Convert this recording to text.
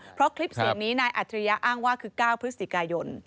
เพราะคลิปเสียงนี้นายอัจฉริยะอ้างว่าคือ๙พฤศจิกายน